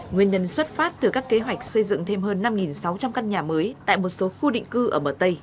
nguyên nhân xuất phát từ các kế hoạch xây dựng thêm hơn năm sáu trăm linh căn nhà mới tại một số khu định cư ở bờ tây